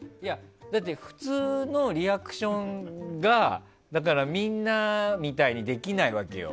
普通のリアクションがみんなみたいにできないわけよ。